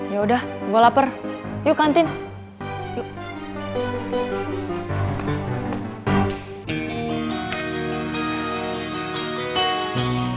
yaudah gue lapar yuk kantin yuk